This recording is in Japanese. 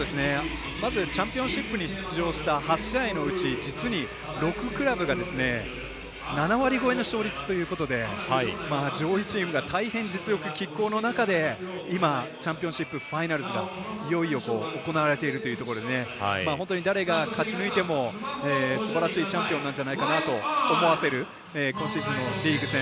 まずチャンピオンシップに出場した８試合のうち実に６クラブが７割超えの勝率ということで上位チームが大変実力きっ抗の中で今、チャンピオンシップファイナルがいよいよ行われているということで本当に誰が勝ち抜いてもすばらしいチャンピオンになるんじゃないかなと思わせる今シーズンのリーグ戦。